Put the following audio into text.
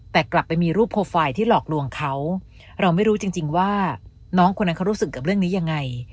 แต่กลับไปมีรูปโปรไฟล์ที่หลอกลวงเขาเราไม่รู้จริงจริงว่าน้องคนนั้นเขารู้สึกกับเรื่องนี้ยังไง